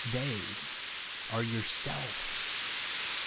They are yourself.